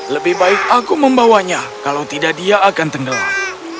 lebih baik aku membawanya kalau tidak dia akan tenggelam